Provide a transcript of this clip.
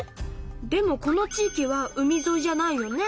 でもこの地域は海ぞいじゃないよね？